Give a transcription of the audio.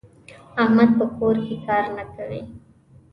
احمد په کور کې کار نه کوي.